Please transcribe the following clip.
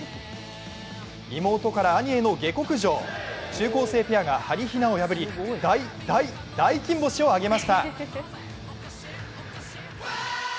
妹から兄への下克上、中高生ペアがはりひなを破り、大、大、大金星を挙げました。